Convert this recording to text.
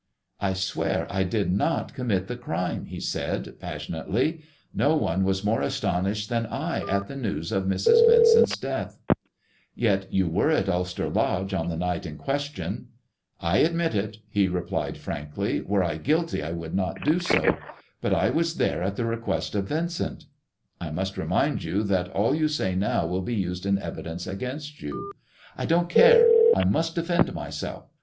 I swear I did not commit the crime," he said passion ately ;" no one was more astonished than I at the news of Mrs. Vincent's death.'' THE GREEN STONE GOD AND THE STOCKBROKER 265 Yet you were at Ulster Lodge on the night in question] "" I admit it," he replied frankly; " were I guilty I would not do so. But I was there at the request of Yincent." " I must remind you that all you say now will be used in evidence against you." " I don't care ! I must defend myself.